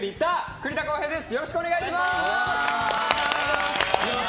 栗田航兵です。